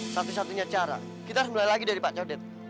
satu satunya cara kita harus mulai lagi dari pak codet